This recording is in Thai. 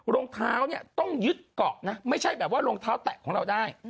รองเท้าเนี่ยต้องยึดเกาะนะไม่ใช่แบบว่ารองเท้าแตะของเราได้